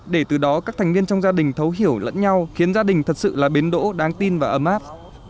để từ đó các thành viên trong gia đình thấu hiểu lẫn nhau khiến gia đình thật sự là bến đỗ đáng tin và ấm áp